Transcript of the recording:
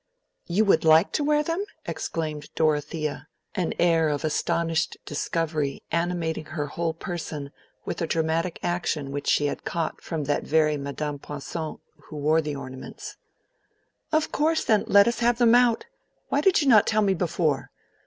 "You would like to wear them?" exclaimed Dorothea, an air of astonished discovery animating her whole person with a dramatic action which she had caught from that very Madame Poincon who wore the ornaments. "Of course, then, let us have them out. Why did you not tell me before?